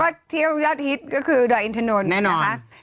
เที่ยวยอดฮิตก็คือดอยอินทนนท์นะคะ